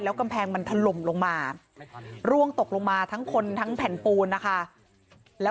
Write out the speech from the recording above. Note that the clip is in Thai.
กำแพงมันถล่มลงมาร่วงตกลงมาทั้งคนทั้งแผ่นปูนนะคะ